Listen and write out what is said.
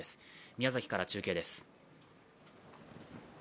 宮崎から中継です。